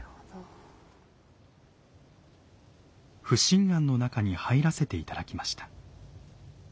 不審菴の中に入らせて頂きました。